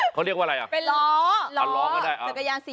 เขาเรียกว่าอะไรอะ